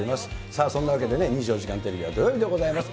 さあ、そんなわけでね、２４時間テレビは土曜日でございます。